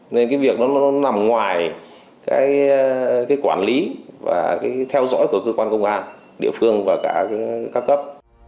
nên cái việc đó nó nằm ngoài cái quản lý và cái theo dõi của cơ quan công an địa phương và cả các cấp